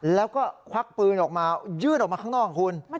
แล้วก็ควักปืนออกมายืดออกมาข้างนอกคุณ